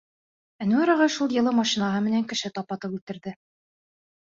Әнүәр ағай шул йылы машинаһы менән кеше тапатып үлтерҙе.